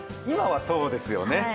今はそうですよね。